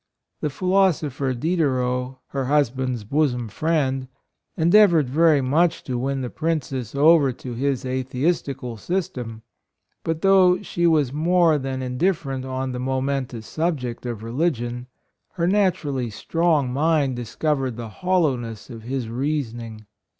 The philosopher Diderot, her husband's bosom friend, endeavoured very much to win the Princess over to his atheistical system; but though she was more than indifferent on the momentous subject of religion, , her naturally strong mind discov ered the hollowness of his reason ing.